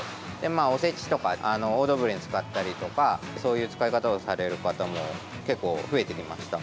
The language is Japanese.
おせちとかオードブルに使ったりとかそういう使い方をされる方も結構、増えてきました。